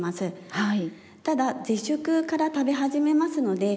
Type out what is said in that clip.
はい。